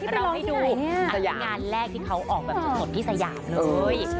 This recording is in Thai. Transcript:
เราให้ดูอันนี้งานแรกที่เขาออกแบบสดที่สยามเลย